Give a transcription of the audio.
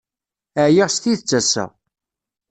Ɛyiɣ s tidet ass-a.